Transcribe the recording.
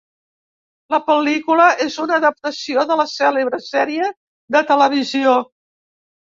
La pel·lícula és una adaptació de la cèlebre sèrie de televisió.